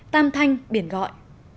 tam thanh biển gọi